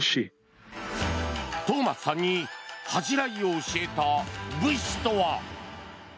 トーマスさんに恥じらいを教えた武士とは。